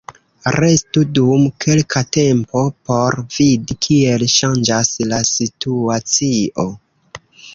Restu dum kelka tempo por vidi kiel ŝanĝas la situacio.